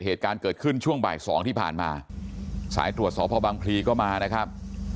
เหตุการณ์เกิดขึ้นช่วงบ่ายสองที่ผ่านมาสายตรวจสพบังพลีก็มานะครับ